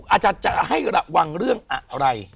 อาจารย์จะให้ระวังเรื่องอะไร